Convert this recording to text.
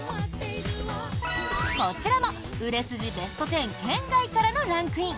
こちらも売れ筋ベスト１０圏外からのランクイン。